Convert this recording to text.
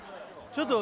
ちょっと